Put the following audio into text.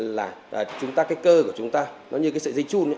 là chúng ta cái cơ của chúng ta nó như cái sợi dây chun ấy